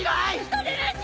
人でなし！